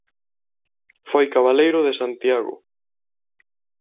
Foi cabaleiro de Santiago.